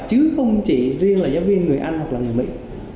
chứ không chỉ riêng là giáo viên người anh hoặc là người mỹ